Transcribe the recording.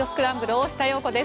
大下容子です。